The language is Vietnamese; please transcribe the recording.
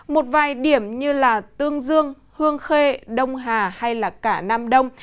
một vài điểm như tương dương hương khê đông hà hay là cả nam đông